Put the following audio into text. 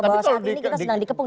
bahwa saat ini kita sedang dikepung